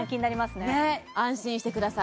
ねっ安心してください